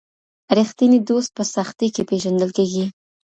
رښتينی دوست په سختۍ کې پېژندل کېږي.